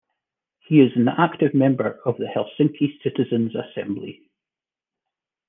He is an active member of the Helsinki Citizens Assembly.